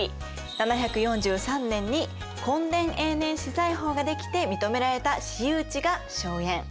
７４３年に墾田永年私財法が出来て認められた私有地が荘園。